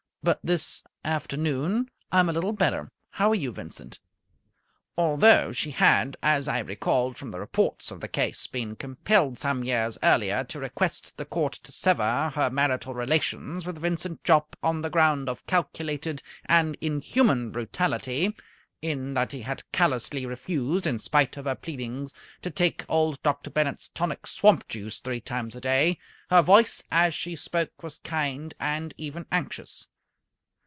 But this afternoon I am a little better. How are you, Vincent?" Although she had, as I recalled from the reports of the case, been compelled some years earlier to request the Court to sever her marital relations with Vincent Jopp on the ground of calculated and inhuman brutality, in that he had callously refused, in spite of her pleadings, to take old Dr. Bennett's Tonic Swamp Juice three times a day, her voice, as she spoke, was kind and even anxious.